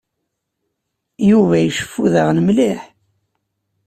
Yuba iceffu daɣen mliḥ.